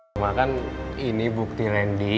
cuma kan ini bukti randy